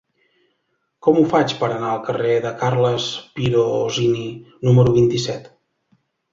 Com ho faig per anar al carrer de Carles Pirozzini número vint-i-set?